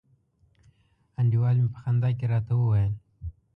انډیوال می په خندا کي راته وویل